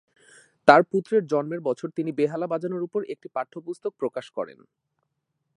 তার পুত্রের জন্মের বছর তিনি বেহালা বাজানোর উপর একটি পাঠ্যপুস্তক প্রকাশ করেন।